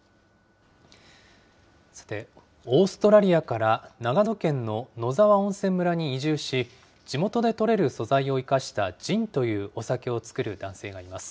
さて、オーストラリアから長野県の野沢温泉村に移住し、地元で採れる素材を生かした、ジンというお酒を造る男性がいます。